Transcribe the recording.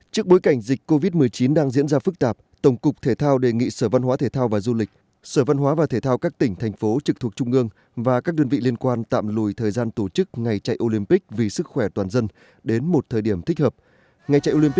trước bối cảnh dịch covid một mươi chín đang diễn ra phức tạp tổng cục thể thao đề nghị sở văn hóa thể thao và du lịch sở văn hóa và thể thao các tỉnh thành phố trực thuộc trung ương và các đơn vị liên quan tạm lùi thời gian tổ chức ngày chạy olympic vì sức khỏe toàn dân đến một thời điểm thích hợp